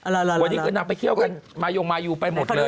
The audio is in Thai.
วันนี้นักไปเคี่ยวกันมายุมายุไปหมดเลย